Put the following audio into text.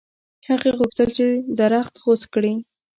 هغه غوښتل چې درخت غوڅ کړي.